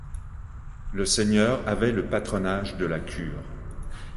Le seigneur avait le patronage de la cure.